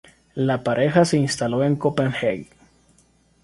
La pareja se instaló en Copenhague.